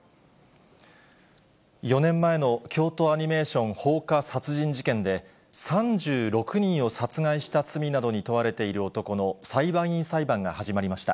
４年前の京都アニメーション放火殺人事件で、３６人を殺害した罪などに問われている男の裁判員裁判が始まりました。